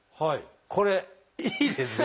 これいいですよ。